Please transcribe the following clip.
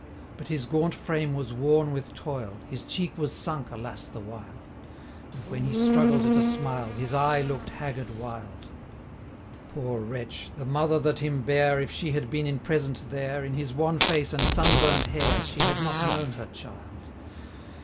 But his gaunt frame was worn with toil; 480 His cheek was sunk, alas the while! And when he struggled at a smile, His eye look 'd haggard wild: Poor wretch! the mother that him bare, If she had been in presence there, 485 In his wan face, and sun burn'd hair, She had not known her child.